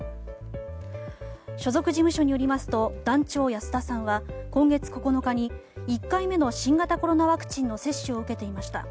所属事務所によりますと団長安田さんは今月９日に１回目の新型コロナワクチンの接種を受けていました。